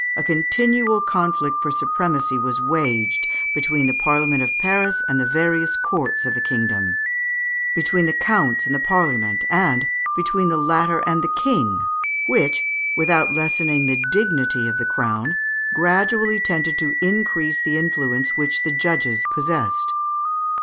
a continual conflict for supremacy was waged between the Parliament of Paris and the various courts of the kingdom between the counts and the Parliament, and between the latter and the King, which, without lessening the dignity of the crown, gradually tended to increase the influence which the judges possessed.